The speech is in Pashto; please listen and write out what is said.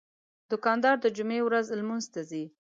دوکاندار د جمعې ورځ لمونځ ته ځي.